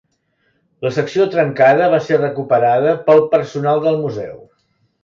La secció trencada va ser recuperada pel personal del museu.